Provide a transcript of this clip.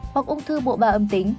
hoặc ung thư bộ ba âm tính